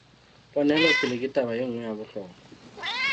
Ponelopele ke taba e nngwe ya bohlokwa.